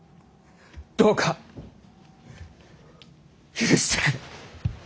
どうか許してくれ。